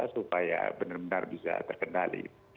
supaya benar benar bisa terkendali